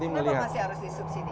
kenapa masih harus disubsidi